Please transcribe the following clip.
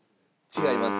違います。